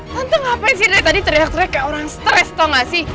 hantu ngapain sih dari tadi teriak teriak kayak orang stres tau gak sih